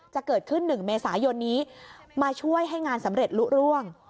จะเกิดขึ้น๑เมษายนนี้มาช่วยให้งานสำเร็จลุร่วง